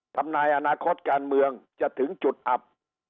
ทำนายอนาคตการเมืองจะถึงจุดอับ